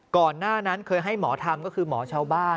ก่อนหน้านั้นเคยให้หมอทำก็คือหมอชาวบ้าน